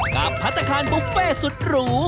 พัฒนาคารบุฟเฟ่สุดหรู